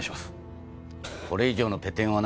これ以上のペテンはない。